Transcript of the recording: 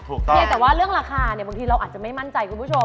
เพียงแต่ว่าเรื่องราคาเนี่ยบางทีเราอาจจะไม่มั่นใจคุณผู้ชม